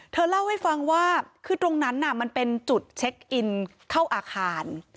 เธอเล่าให้ฟังว่าคือตรงนั้นน่ะมันเป็นจุดเช็คอินเข้าอาคาร